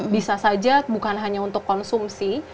bisa saja bukan hanya untuk konsumsi